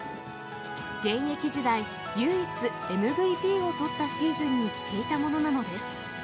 現役時代、唯一ＭＶＰを取ったシーズンに着ていたものなのです。